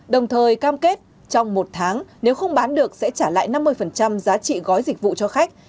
đồng thời cam kết trong một tháng nếu không bán được sẽ trả lại năm mươi giá trị gói dịch vụ cho khách